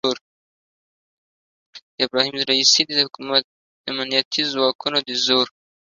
د ابراهیم رئیسي د حکومت امنیتي ځواکونو د زور